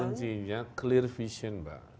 kuncinya clear vision mbak